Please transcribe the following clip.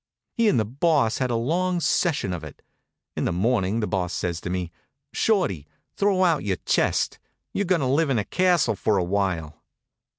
He and the Boss had a long session of it. In the morning the Boss says to me: "Shorty, throw out your chest; you're going to live in a castle for a while."